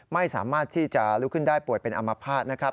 ไม่สามารถที่จะลุกขึ้นได้ป่วยเป็นอามภาษณ์นะครับ